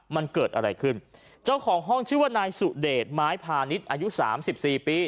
มันเกิดอะไรขึ้นเจ้าของห้องชื่อว่านายสุเดชไม้พาณิชย์อายุสามสิบสี่ปี